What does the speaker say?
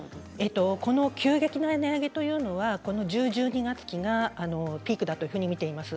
この急激な値上げというのはこの１０−１２月期がピークと見ています。